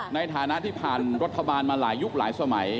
ในฐานะที่ผ่านรัฐบาลมาหลายยุคหลายสมัย